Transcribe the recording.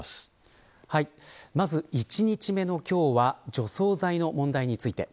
まず１日目の今日は除草剤の問題について。